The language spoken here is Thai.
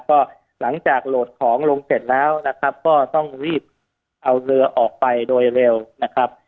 ก็หลังจากโหลดของลงเสร็จแล้วนะครับก็ต้องรีบเอาเรือออกไปโดยเร็วนะครับ